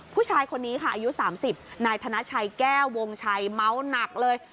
ผู้ชายคนนี้ค่ะอายุ๓๐นายธนชัยแก้ววงชัยเมาหนักเลย